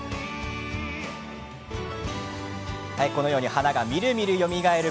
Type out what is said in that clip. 花が、みるみるよみがえる